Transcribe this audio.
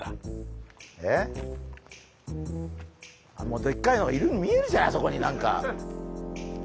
もうでっかいのがいるの見えるじゃないあそこに何か。